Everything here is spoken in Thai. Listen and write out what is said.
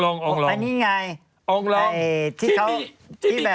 อองรองที่มีการแชค